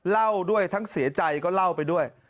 เล่าด้วยทั้งเสียใจก็เล่าไปด้วย